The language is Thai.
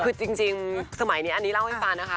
คือจริงสมัยนี้อันนี้เล่าให้ฟังนะคะ